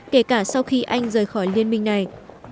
kể cả sau khi anh rời khỏi liên minh này